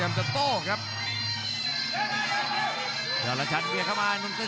ช่วงความเย็นงั้นย่อละชันเรียกเข้ามา